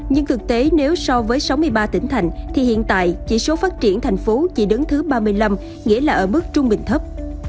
nhưng thực tế nếu so với sáu mươi ba tỉnh thành thì hiện tại chỉ số phát triển thành phố chỉ đứng thứ ba mươi năm nghĩa là ở mức trung bình thấp